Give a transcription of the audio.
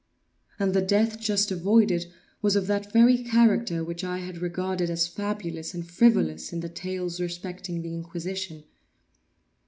And the death just avoided, was of that very character which I had regarded as fabulous and frivolous in the tales respecting the Inquisition.